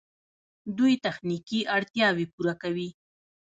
دوی تخنیکي اړتیاوې پوره کوي.